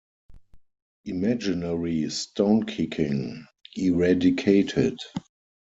Imaginary stone-kicking eradicated.